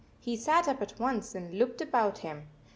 He sat up at once and looked about him.